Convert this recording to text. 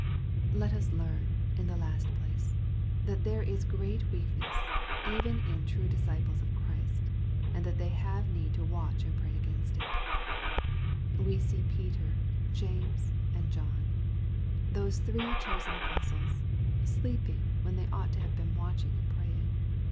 Let us learn, in the last place, that there is^^reol weakness^ even in true disciples of Christy and that they have need to watch and pray against it )We see Peter, James, and John, those three chosen apostles, sleeping when they ought to have been watching and praying.